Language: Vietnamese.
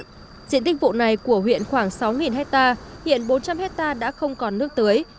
diện tích vụ này của huyện khoảng sáu hectare hiện bốn trăm linh hectare đã không còn nước tưới